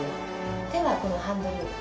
手はこのハンドル。